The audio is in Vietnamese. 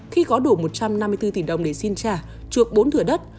khi có đủ một trăm năm mươi bốn tỷ đồng để xin trả trượt bốn thừa đất